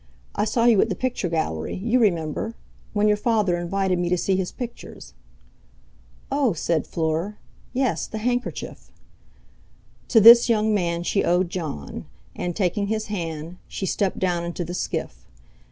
I saw you at the picture gallery—you remember—when your father invited me to see his pictures." "Oh!" said Fleur; "yes—the handkerchief." To this young man she owed Jon; and, taking his hand, she stepped down into the skiff.